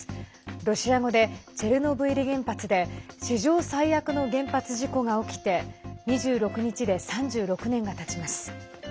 ロシア語でチェルノブイリ原発で史上最悪の原発事故が起きて２６日で３６年がたちます。